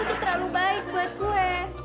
lo tuh terlalu baik buat gue